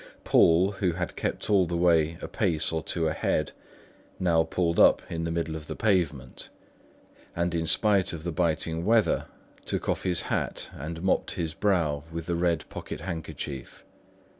Poole, who had kept all the way a pace or two ahead, now pulled up in the middle of the pavement, and in spite of the biting weather, took off his hat and mopped his brow with a red pocket handkerchief.